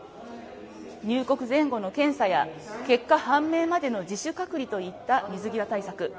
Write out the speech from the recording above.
入国前後の検査や結果判明までの自主隔離といった水際対策。